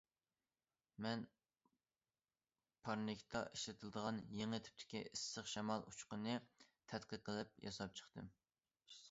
مەن پارنىكتا ئىشلىتىلىدىغان يېڭى تىپتىكى ئىسسىق شامال ئوچىقىنى تەتقىق قىلىپ ياساپ چىقتىم.